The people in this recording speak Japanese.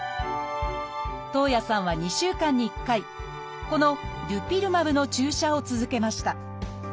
徳文さんは２週間に１回このデュピルマブの注射を続けました。